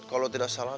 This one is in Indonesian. kalau tidak salah